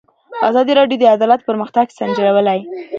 ازادي راډیو د عدالت پرمختګ سنجولی.